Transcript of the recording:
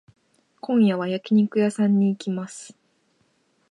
今夜は焼肉屋さんに行きます。